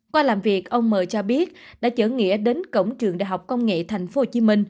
qua làm việc ông m cho biết đã chở nghĩa đến cổng trường đại học công nghệ tp hcm